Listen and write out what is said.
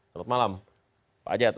selamat malam pak ajat